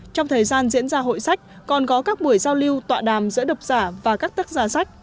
trong thời gian diễn ra hội sách còn có các buổi giao lưu tọa đàm giữa độc giả và các tác giả sách